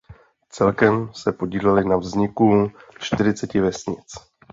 Celkem se podíleli na vzniku čtyřiceti vesnic.